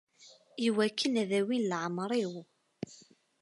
Iwakken ad awin leεmer-iw.